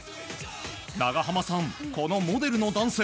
長濱さん、このモデルの男性